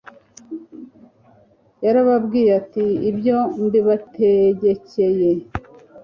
yarababwiye ati: "Ibyo mbibategekcye